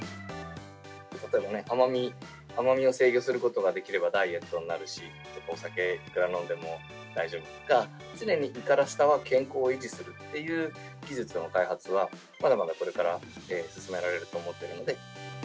例えばね、甘みを制御することができればダイエットになるし、お酒をいくら飲んでも大丈夫とか、常に胃から下は健康を維持するという技術の開発は、まだまだこれから進められると思ってるので。